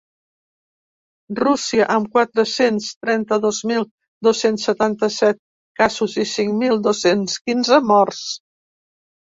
Rússia, amb quatre-cents trenta-dos mil dos-cents setanta-set casos i cinc mil dos-cents quinze morts.